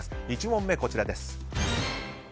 １問目、こちらです。